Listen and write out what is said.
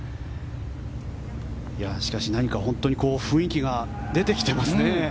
しかし何か雰囲気が出てきていますね。